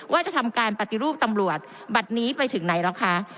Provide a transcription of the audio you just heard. ว่าจะทำการปฏิรูปตำรวจบัตรนี้ไปถึงไหนแล้วคะ